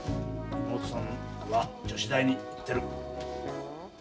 妹さんは女子大に行ってる。